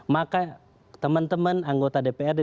maka teman teman anggota dprd